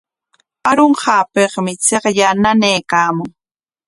Arunqaapikmi chiqllaa nanaykaaman.